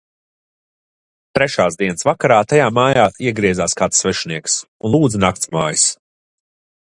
Trešās dienas vakarā tajās mājās iegriezās kāds svešinieks un lūdza naktsmājas.